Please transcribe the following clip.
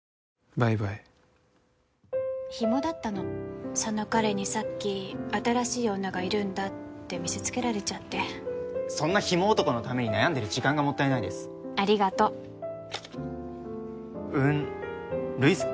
バイバイヒモだったのその彼にさっき新しい女がいるんだって見せつけられちゃってそんなヒモ男のために悩んでる時間がもったいないですありがとうウンルイズ？